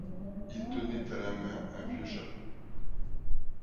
Il tenait à la main un vieux chapeau.